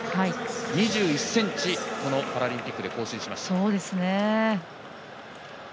２１ｃｍ、このパラリンピックで更新しました。